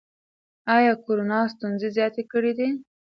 ایا کورونا ستونزې زیاتې کړي دي؟